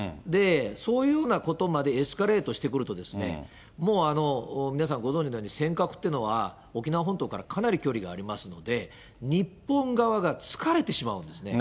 そういうようなことまでエスカレートしてくると、もう皆さんご存じのように、尖閣ってのは沖縄本島からかなり距離がありますんで、日本側が疲れてしまうんですね。